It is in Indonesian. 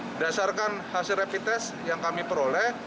berdasarkan hasil rapid test yang kami peroleh